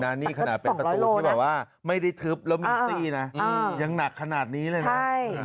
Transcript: นี่ขนาดเป็นประตูที่แบบว่าไม่ได้ทึบแล้วมีซี่นะยังหนักขนาดนี้เลยนะ